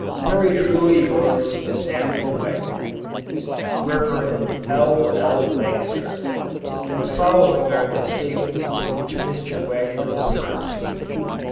Very truly yours, SAMUEL WAGNER. REV. L. L. LANGSTROTH. The following are the statements to which Mr. Wagner refers.